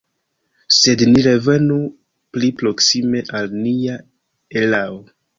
Sed ni revenu pli proksime al nia erao.